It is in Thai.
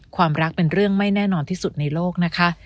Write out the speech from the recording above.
ความรักเป็นเรื่องไม่แน่นอนที่สุดในโลกนะคะ